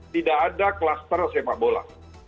tidak ada kluster sepak bola